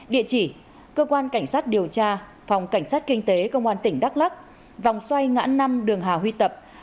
địa chỉ cơ quan cảnh sát điều tra phòng cảnh sát kinh tế công an tỉnh đắk lắc vòng xoay ngã năm đường hà huy tập